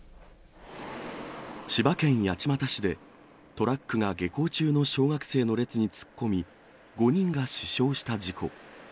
千葉県八街市で、トラックが下校中の小学生の列に突っ込み、５人が死傷した事故。